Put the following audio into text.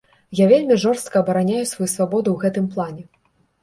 Я вельмі жорстка абараняю сваю свабоду ў гэтым плане.